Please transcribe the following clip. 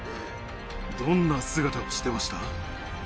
どんな姿をしてました？